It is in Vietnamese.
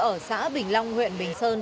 ở xã bình long huyện bình sơn